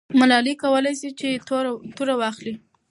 ملالۍ کولای سوای چې توره واخلي.